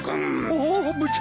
あっ部長。